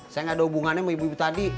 saya gak ada hubungannya sama ibu ibu tadi